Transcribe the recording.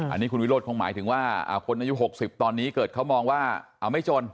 อันนี้คุณวิโรธคงหมายถึงว่าคนอายุ๖๐ตอนนี้เกิดเขามองว่าเอาไม่จน